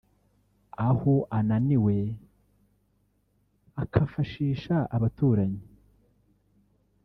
aho ananiwe akafashisha abaturanyi